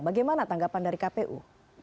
bagaimana tanggapan dari kpu